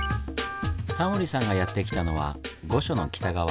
タモリさんがやって来たのは御所の北側。